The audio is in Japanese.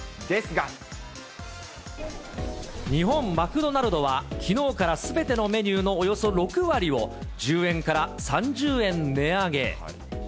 日本マクドナルドは、きのうからすべてのメニューのおよそ６割を、１０円から３０円値上げ。